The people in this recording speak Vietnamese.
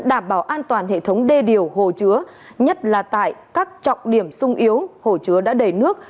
đảm bảo an toàn hệ thống đê điều hồ chứa nhất là tại các trọng điểm sung yếu hồ chứa đã đầy nước